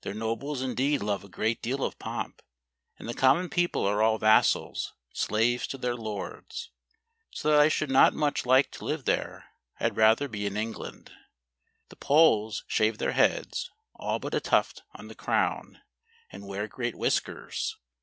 Their nobles indeed love a great deal of pomp, and the common people are all vassals, slaves to their lords. So that I should not much like to live there; I had rather be in England. The poles shave their heads, all but a tuft on the crown, and wear great whiskers.